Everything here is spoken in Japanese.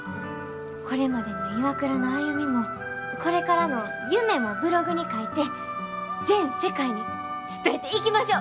これまでのＩＷＡＫＵＲＡの歩みもこれからの夢もブログに書いて全世界に伝えていきましょう！